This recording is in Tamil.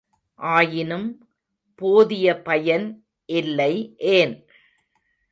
ஆயினும் போதிய பயன் இல்லை ஏன்?